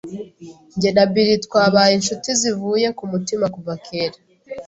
Jye na Bill twabaye inshuti zivuye ku mutima kuva kera.